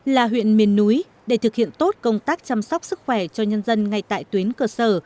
là huyện miền núi để thực hiện tốt công tác chăm sóc sức khỏe cho nhân dân ngay tại tuyến cơ sở